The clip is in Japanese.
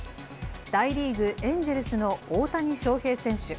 大リーグ・エンジェルスの大谷翔平選手。